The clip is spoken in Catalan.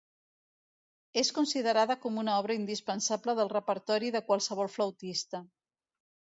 És considerada com una obra indispensable del repertori de qualsevol flautista.